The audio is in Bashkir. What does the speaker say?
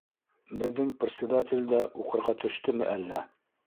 - Беҙҙең председатель дә уҡырға төштөмө әллә?!